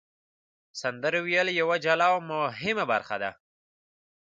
سندرې ویل یوه جلا او مهمه برخه ده.